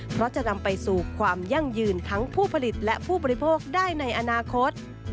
เพราะจะนำไปสู่ความยั่งยืนทั้งผู้ผลิตและผู้บริโภคได้ในอนาคต